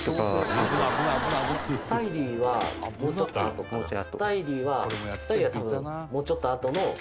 隆貴君：スタイリーはもうちょっとあとかな。